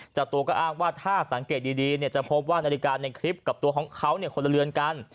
เจ้าตัวก็อ้างว่าถ้าสังเกตดีจะพบว่านาฬิกาในคลิปกับตัวของเขาคนละเรือนกัน